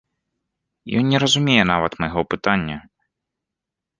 Ён не разумее нават майго пытання!